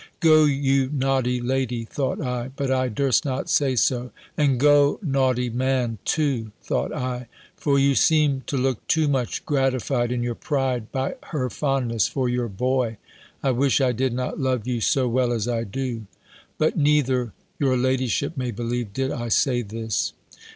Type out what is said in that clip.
"Go, you naughty lady," thought I: But I durst not say so. "And go, naughty man, too!" thought I: "for you seem to look too much gratified in your pride, by her fondness for your boy. I wish I did not love you so well as I do!" But neither, your ladyship may believe, did I say this.